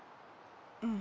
うん。